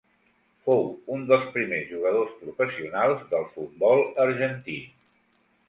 Fou un dels primers jugadors professionals del futbol argentí.